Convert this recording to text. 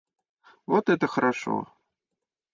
Вот это хорошо!